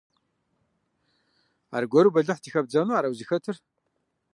Аргуэру бэлыхь дыхэбдзэну ара узыхэтыр?